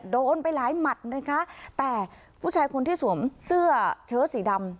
โดนไปหลายหมัดนะคะแต่ผู้ชายคนที่สวมเสื้อเชิดสีดำ